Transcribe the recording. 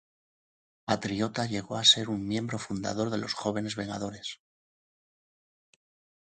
Patriota llegó a ser un miembro fundador de los Jóvenes Vengadores.